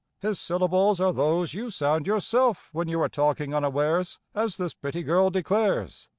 His syllables Are those you sound yourself when you are talking unawares, As this pretty girl declares."